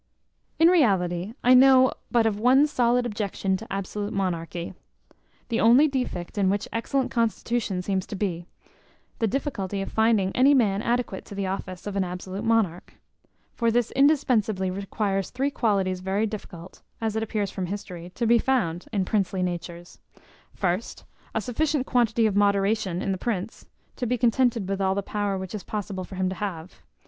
[*] Nerva, Trajan, Adrian, and the two Antonini. In reality, I know but of one solid objection to absolute monarchy. The only defect in which excellent constitution seems to be, the difficulty of finding any man adequate to the office of an absolute monarch: for this indispensably requires three qualities very difficult, as it appears from history, to be found in princely natures: first, a sufficient quantity of moderation in the prince, to be contented with all the power which is possible for him to have.